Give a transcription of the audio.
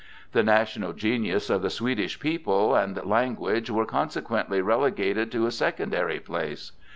The national genius of the Swedish people and language were consequently relegated to a secondary place.